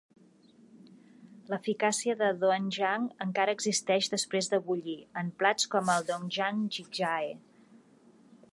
L'eficàcia de "Doenjang" encara existeix després de bullir, en plats com el "doenjang jjigae".